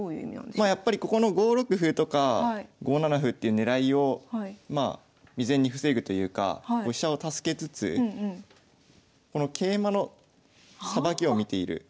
ここの５六歩とか５七歩っていう狙いを未然に防ぐというか飛車を助けつつこの桂馬のさばきを見ている。